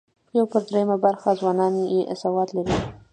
یو پر درېیمه برخه ځوانان یې سواد لري.